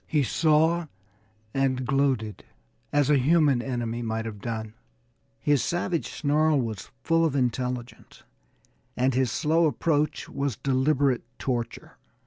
He saw, and gloated as a human enemy might have done. His savage snarl was full of intelligence, and his slow approach was deliberate torture.